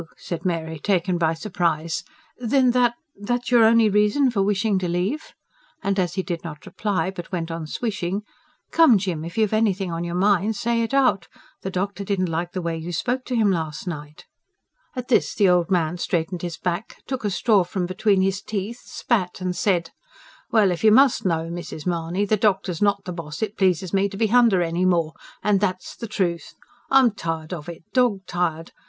said Mary, taken by surprise. "Then that that's your only reason for wishing to leave?" And as he did not reply, but went on swishing: "Come, Jim, if you've anything on your mind, say it out. The doctor didn't like the way you spoke to him last night." At this the old man straightened his back, took a straw from between his teeth, spat and said: "Well, if you must know, Mrs. Mahony, the doctor's not the boss it pleases me to be h'under any more and that's the trewth. I'm tired of it dog tired.